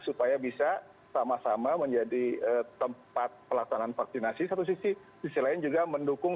supaya bisa sama sama menjadi tempat pelaksanaan vaksinasi satu sisi lain juga mendukung